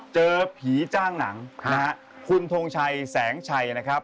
เจอผีจ้างหนังนะฮะคุณทงชัยแสงชัยนะครับ